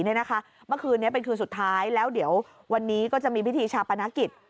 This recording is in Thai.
เมื่อคืนนี้เป็นคืนสุดท้ายแล้วเดี๋ยววันนี้ก็จะมีพิธีชาปนกิจ